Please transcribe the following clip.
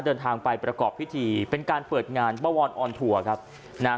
เดินทางไปประกอบพิธีเป็นการเปิดงานบ้าวรอออนทัวร์ครับนะฮะ